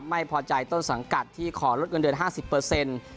ไม่พอใจต้นสังกัดที่ขอลดเงินเดือน๕๐